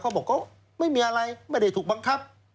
เขาบอกเขาไม่มีอะไรไม่ได้ถูกบังคับ